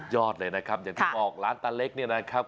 ยอดเลยนะครับอย่างที่บอกร้านตาเล็กเนี่ยนะครับ